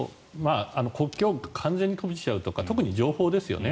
国境を完全に閉じちゃうとか特に情報ですね。